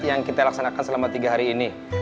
yang kita laksanakan selama tiga hari ini